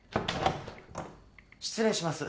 失礼します。